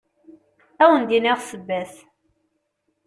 Ad wen-d-iniɣ ssebba-s.